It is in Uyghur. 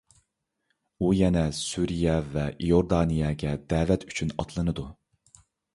ئۇ يەنە سۈرىيە ۋە ئىيوردانىيەگە دەۋەت ئۈچۈن ئاتلىنىدۇ.